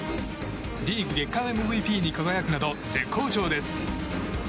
リーグ月間ＭＶＰに輝くなど絶好調です。